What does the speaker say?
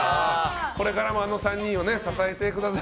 これからもあの３人を支えてください。